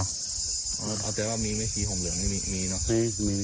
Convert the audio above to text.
เอาแต่ว่ามีไม่มีห่มเหลืองมีเนอะ